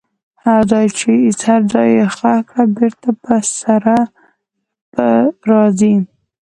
هر ځای یې ښخ کړئ بیرته به سره راځي.